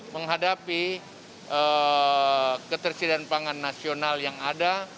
menghadapi ketersediaan pangan nasional yang ada